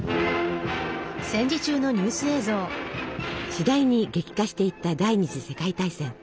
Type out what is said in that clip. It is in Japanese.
しだいに激化していった第２次世界大戦。